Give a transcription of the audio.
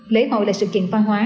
lễ hội là sự kiện văn hóa